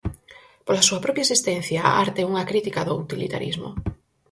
Pola súa propia existencia, a arte é unha crítica do utilitarismo.